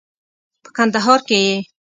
په کندهار کې یې